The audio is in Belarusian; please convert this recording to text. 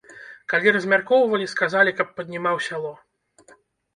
Калі размяркоўвалі, сказалі, каб паднімаў сяло.